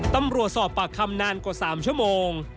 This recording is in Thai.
ตำรวจสอบปากคำนานกว่า๓ชั่วโมง